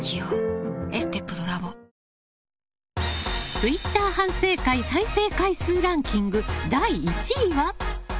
ツイッター反省会再生回数ランキング第１位は？